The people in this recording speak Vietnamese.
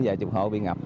dài chục hổ bị ngập